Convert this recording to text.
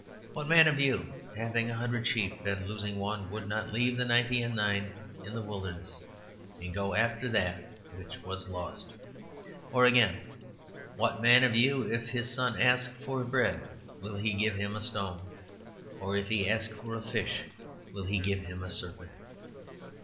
"What man of you having a hundred sheep, and losing one, would not leave the ninety and nine in the wilderness, and go after that which was lost?" Or, again, "What man of you if his son ask for bread will he give him a stone, or if he ask for a fish will he give him a serpent?"